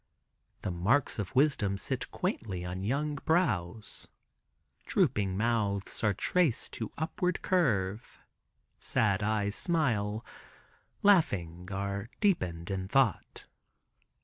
The marks of wisdom sit quaintly on young brows. Drooping mouths are traced to upward curve. Sad eyes smile; laughing are deepened in thought.